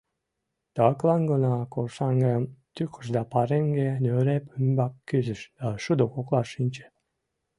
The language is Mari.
Таклан гына коршаҥгым тӱкыш да пареҥге нӧреп ӱмбак кӱзыш да шудо коклаш шинче.